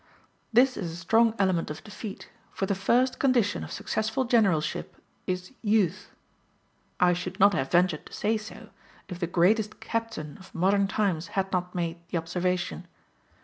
This is a strong element of defeat, for the first condition of successful generalship is youth: I should not have ventured to say so if the greatest captain of modern times had not made the observation.